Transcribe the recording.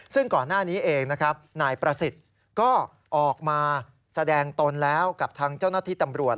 ซึ่งก่อนหน้านี้เองนะครับนายประสิทธิ์ก็ออกมาแสดงตนแล้วกับทางเจ้าหน้าที่ตำรวจ